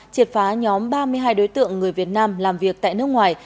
triệt phá nhóm ba mươi hai đối tượng người việt nam làm việc tại nước ngoài